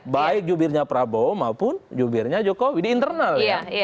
baik jubirnya prabowo maupun jubirnya jokowi di internal ya